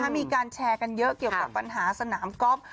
มีการแชร์กันเยอะเกี่ยวกับปัญหาสนามก๊อฟ